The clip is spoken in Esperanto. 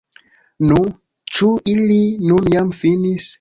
Nu, ĉu ili nun jam finis?